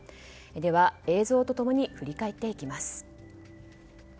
では、映像と共に振り返っていきます。